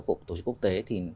của tổ chức quốc tế thì